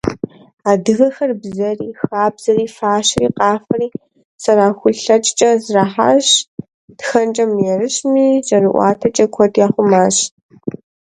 Адыгэхэр бзэри, хабзэри, фащэри, къафэри зэрахулъэкӏкӏэ зэрахьащ, тхэнкӏэ мыерыщами, жьэрыӏуатэкӏэ куэд яхъумащ.